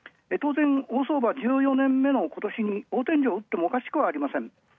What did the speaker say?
当然、大相場、１４年目の今年、大天井うってもおかしくはありません。